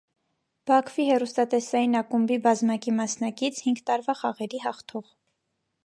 Բաքվի հեռուստատեսային ակումբի բազմակի մասնակից, հինգ տարվա խաղերի հաղթող։